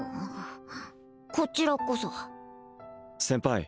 こちらこそ先輩